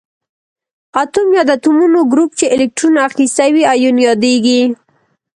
اتوم یا د اتومونو ګروپ چې الکترون اخیستی وي ایون یادیږي.